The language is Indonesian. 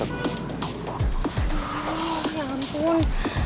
aduh ya ampun